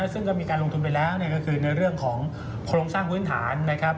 ซึ่งก็มีการลงทุนไปแล้วก็คือในเรื่องของโครงสร้างพื้นฐานนะครับ